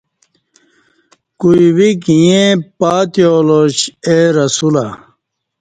کوئ ویک ییں پاتیالاش اے رسولہ